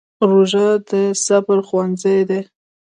روژه د صبر ښوونځی دی.